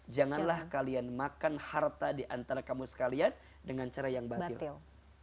janganlah kalian makan harta diantara kamu sekalian dengan cara yang batirah